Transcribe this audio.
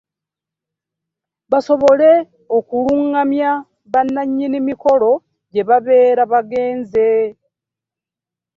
Basobole okulungamya bannannyini mikolo gye babeera bagenze.